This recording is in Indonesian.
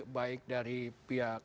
baik dari pihak